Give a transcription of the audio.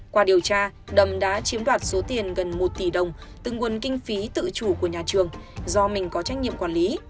qua điều tra đầm đã chiếm đoạt số tiền gần một tỷ đồng từ nguồn kinh phí tự chủ của nhà trường do mình có trách nhiệm quản lý